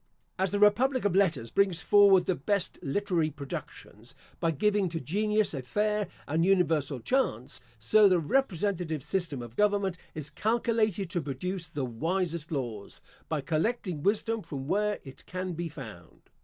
As the republic of letters brings forward the best literary productions, by giving to genius a fair and universal chance; so the representative system of government is calculated to produce the wisest laws, by collecting wisdom from where it can be found.